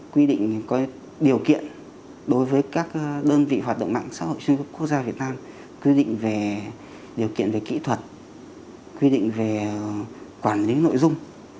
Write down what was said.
quy định về điều kiện về kỹ thuật quy định về quản lý nội dung